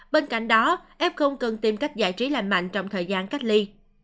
bên cạnh đó f cần tìm cách giải trí lành mạnh trong thời gian cách ly